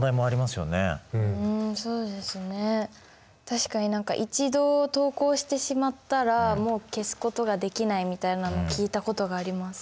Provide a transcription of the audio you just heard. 確かに何か一度投稿してしまったらもう消すことができないみたいなのを聞いたことがあります。